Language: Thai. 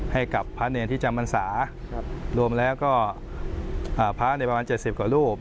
ให้กับพระเนรที่จำพันศารวมแล้วก็พระเนรประมาณเจ็ดสิบกว่ารูป